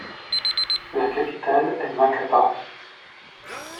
La capitale est Macapá.